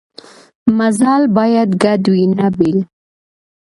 مزال باید ګډ وي نه بېل.